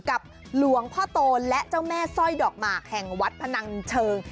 กับหลวงพ่อโตและเจ้าแม่สร้อยดอกหมากแห่งวัดพนังเชิง